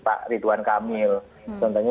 pak ridwan kamil contohnya